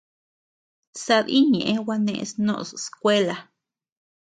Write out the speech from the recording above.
Sadï ñeʼe gua neʼes noʼos skuela.